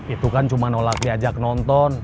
itu kan cuma nolak diajak nonton